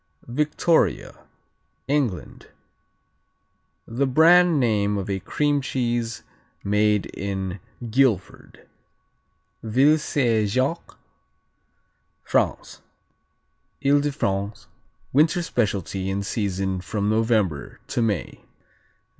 Victoria England The brand name of a cream cheese made in Guilford. Ville Saint Jacques France Ile de France winter specialty in season from November to May.